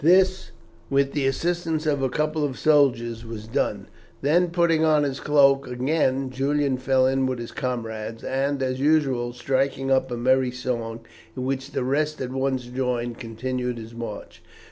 This, with the assistance of a couple of soldiers, was done. Then, putting on his cloak again, Julian fell in with his comrades, and, as usual, striking up a merry song, in which the rest at once joined, continued his march.